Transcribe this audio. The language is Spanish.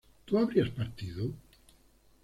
¿tú habrías partido?